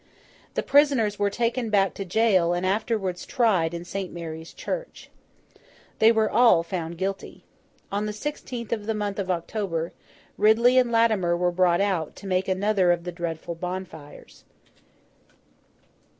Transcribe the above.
The prisoners were taken back to jail, and afterwards tried in St. Mary's Church. They were all found guilty. On the sixteenth of the month of October, Ridley and Latimer were brought out, to make another of the dreadful bonfires.